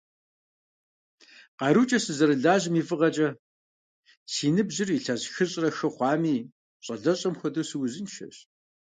КъарукӀэ сызэрылажьэм и фӀыгъэкӀэ, си ныбжьыр илъэс хыщӏрэ хы хъуами, щӀалэщӀэм хуэдэу, сыузыншэщ.